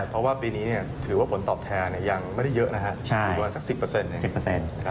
เพราะว่าปีนี้ถือว่าผลตอบแทนยังไม่ได้เยอะนะครับอยู่ประมาณสัก๑๐